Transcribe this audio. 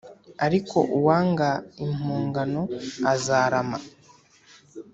Ariko uwanga impongano azarama